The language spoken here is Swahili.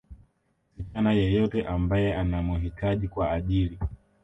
msichana yeyote ambaye anamuhitaji kwa ajili